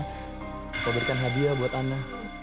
papa berikan hadiah buat ana